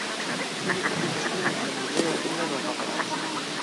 Ili troviĝas nun en la muzeo en la Nova Palaco.